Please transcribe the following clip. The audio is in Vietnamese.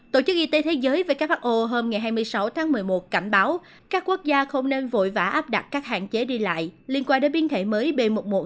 tổ chức y tế thế giới who hôm hai mươi sáu tháng một mươi một cảnh báo các quốc gia không nên vội vã áp đặt các hạn chế đi lại liên quan đến biến thể mới b một một năm trăm hai mươi chín